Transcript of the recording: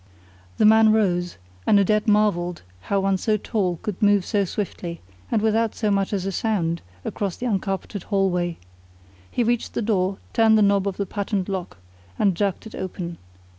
The man rose, and Odette marvelled how one so tall could move so swiftly, and without so much as a sound, across the uncarpeted hallway. He reached the door, turned the knob of the patent lock and jerked it open.